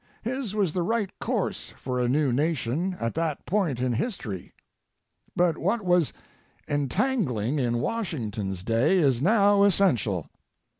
His was the right course for a new nation at that point in history. But what was "entangling" in Washington's day is now essential.